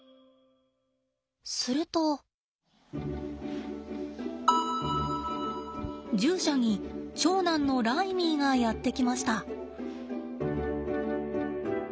すると獣舎に長男のライミーがやって来ました。